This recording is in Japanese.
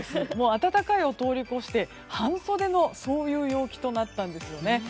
暖かいを通り越して半袖のそういう陽気となったんです。